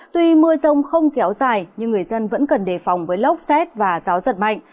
tuy mưa rông không kéo dài nhưng người dân vẫn cần đề phòng với lốc xét và gió giật mạnh